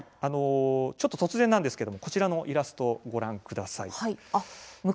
ちょっと突然なんですけれどもこちらのイラストをご覧ください。